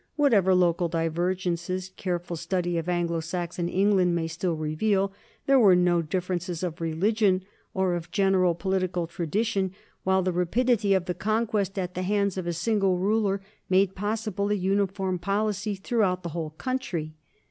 Whatever local divergences careful study of Anglo Saxon England may still reveal, there were no differ ences of religion or of general political tradition, while the rapidity of the conquest at the hands of a single ruler made possible a uniform policy throughout the whole country.